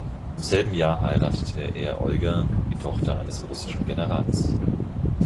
Im selben Jahr heiratete er Olga, die Tochter eines russischen Generals.